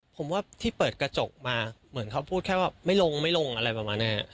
ผมว่าที่เปิดกระจกมาเหมือนเขาพูดแค่ว่าไม่ลงไม่ลงอะไรประมาณนี้